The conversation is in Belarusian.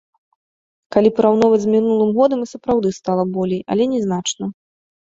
Калі параўноўваць з мінулым годам, і сапраўды стала болей, але не значна.